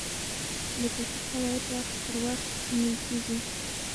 د کرکټ قواعد وخت پر وخت نوي کیږي.